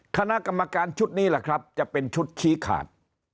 คณะกรรมการชุดนี้แหละครับจะเป็นชุดชี้ขาด